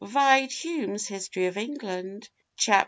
Vide Hume's History of England, chap.